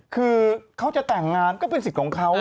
คือเขาจะแต่งงานก็เป็นสิทธิ์ของเขา